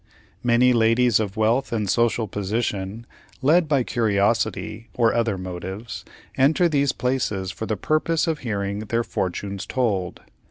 Many ladies of wealth and social position, led by curiosity, or other motives, enter these places for the purpose of hearing their "fortunes told."